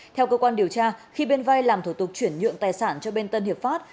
theo cơ quan điều tra khi bên vai làm thủ tục chuyển nhượng tài sản cho bên tân hiệp pháp